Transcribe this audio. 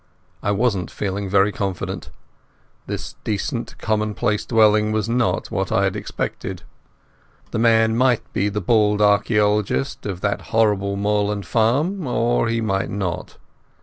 I wasn't feeling very confident. This decent common place dwelling was not what I had expected. The man might be the bald archaeologist of that horrible moorland farm, or he might not.